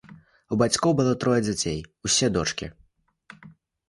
У бацькоў было трое дзяцей, усе дочкі.